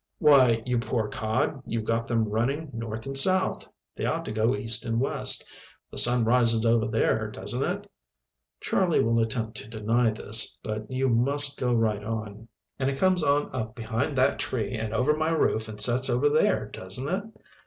"Why, you poor cod, you've got them running north and south. They ought to go east and west. The sun rises over there, doesn't it?" (Charlie will attempt to deny this, but you must go right on.) "And it comes on up behind that tree and over my roof and sets over there, doesn't it?"